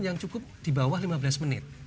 yang cukup di bawah lima belas menit